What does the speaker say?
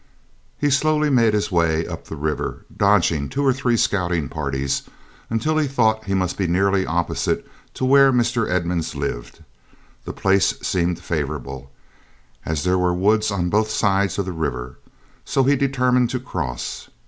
He slowly made his way up the river, dodging two or three scouting parties, until he thought he must be nearly opposite to where Mr. Edmunds lived. The place seemed favorable, as there were woods on both sides of the river, so he determined to cross.